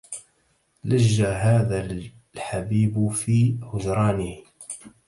لج هذا الحبيب في هجرانه